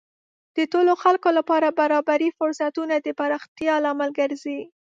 د ټولو خلکو لپاره برابرې فرصتونه د پراختیا لامل ګرځي.